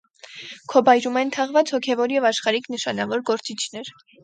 Քոբայրում են թաղված հոգևոր և աշխարհիկ նշանավոր գործիչներ։